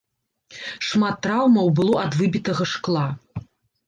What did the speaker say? Шмат траўмаў было ад выбітага шкла.